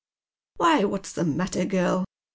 189 " Why, what's the matter, girl ?